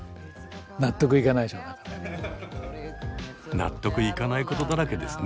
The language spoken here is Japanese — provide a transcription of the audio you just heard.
納得いかないことだらけですね。